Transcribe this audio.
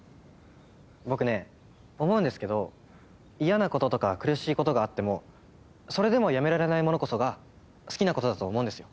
僕ね思うんですけど嫌なこととか苦しいことがあってもそれでもやめられないものこそが好きなことだと思うんですよ。